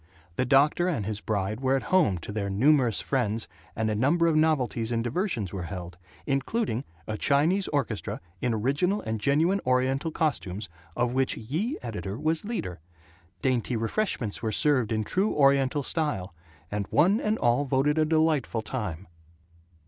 The doctor and his bride were at home to their numerous friends and a number of novelties in diversions were held, including a Chinese orchestra in original and genuine Oriental costumes, of which Ye Editor was leader. Dainty refreshments were served in true Oriental style, and one and all voted a delightful time.